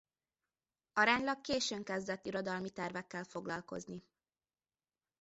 Aránylag későn kezdett irodalmi tervekkel foglalkozni.